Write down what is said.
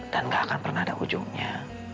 dan gak akan pernah ada ujungnya